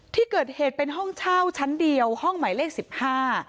ที่เกิดเหตุเป็นห้องเช่าชั้นเดียวห้องหมายเลขสิบห้า